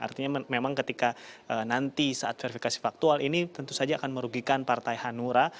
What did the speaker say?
artinya memang ketika nanti saat verifikasi faktual ini tentu saja akan merugikan partai hanura